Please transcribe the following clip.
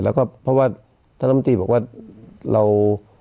แล้วก็เพราะว่าท่านรัฐมนตรีบอกว่าเรา